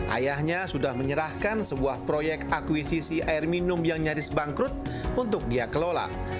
ayahnya sudah menyerahkan sebuah proyek akuisisi air minum yang nyaris bangkrut untuk dia kelola